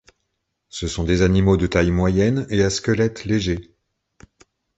Ce sont des animaux de taille moyenne et à squelette léger.